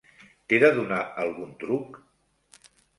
T'he de donar algun truc?